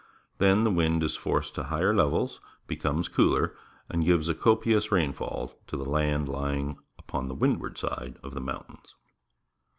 Then the wind is forced into higher levels, becomes cooler, and gives a copious rainfall to the land lying upon the windward side of the mountains.